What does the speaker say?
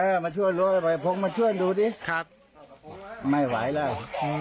เออมาช่วยล้วงไอ้พงมาช่วยดูดิไม่ไหวแล้ว